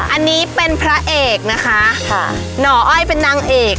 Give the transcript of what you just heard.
อันนี้เป็นพระเอกนะคะค่ะหน่ออ้อยเป็นนางเอก